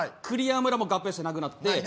栗山村も合併してなくなって。